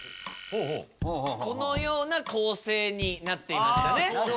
このような構成になっていましたね。